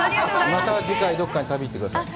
また次回、どっかに旅に行ってください。